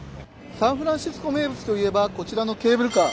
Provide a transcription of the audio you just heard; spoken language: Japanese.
サンフランシスコ名物といえば、こちらのケーブルカー。